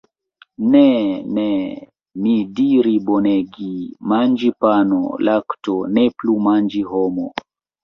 Ne, ne, mi diri bonagi, manĝi pano, lakto, ne plu manĝi homo.